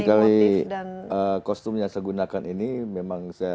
jadi kali kostum yang saya gunakan ini memang saya pergubkan untuk mengangkat kategori yang saya pilih